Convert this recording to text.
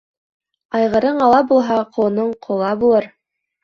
Айғырың ала булһа, ҡолоноң ҡола булыр.